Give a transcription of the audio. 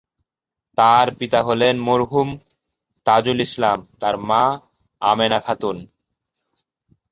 তার পিতা হলেন মরহুম তাজুল ইসলাম; তার মা আমেনা খাতুন।